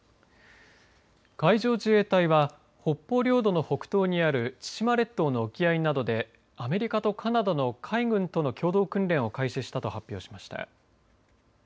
海上自衛隊は北方領土の北東にある千島列島の沖合などでアメリカとカナダの海軍との共同訓練を開始したと発表しました。